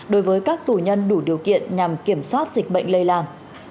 đối với các tù nhân đủ điều kiện nhằm kiểm soát dịch bệnh lây lan